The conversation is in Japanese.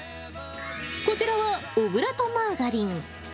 こちらは小倉とマーガリン。